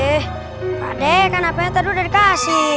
eh pak de kenapa itu terlalu sudah dikasih